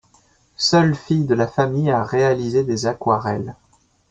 Seule fille de la famille à réaliser des aquarelles.